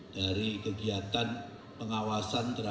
dari kegiatan pengawasan terakhir